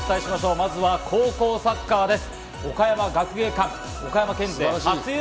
まずは高校サッカーです。